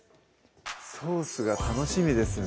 ソースが楽しみですね